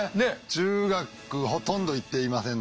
中学ほとんど行っていませんので。